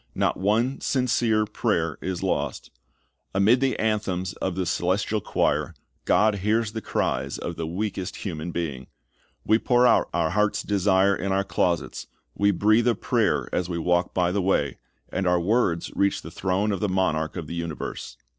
Not one sincere prayer is lost. Amid the anthems of the celestial choir, God hears the cries of the weakest human being. We pour out our heart's desire in our closets, we breathe a prayer as we walk by the way, and our words reach the throne of the Monarch of the universe.